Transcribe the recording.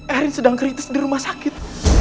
erin sedang kritis di rumah sakit